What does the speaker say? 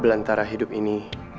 belantara hidup ini